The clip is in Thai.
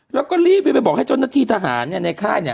เราก็รีบไปบอกให้จนทีทหารเนี่ยในค่ายเนี่ย